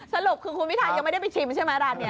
สรุปคือคุณพิทายังไม่ได้ไปชิมใช่ไหมร้านนี้